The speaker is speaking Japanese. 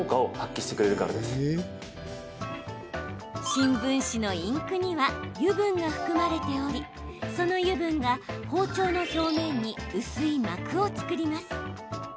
新聞紙のインクには油分が含まれておりその油分が包丁の表面に薄い膜を作ります。